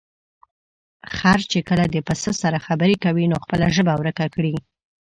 خر چې کله د پسه سره خبرې کوي، نو خپله ژبه ورکه کړي.